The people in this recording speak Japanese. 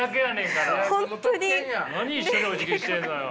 何一緒におじぎしてんのよ。